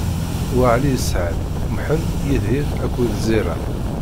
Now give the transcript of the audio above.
Waɛli isɛa-d: Mḥend, Yidir akked Zira.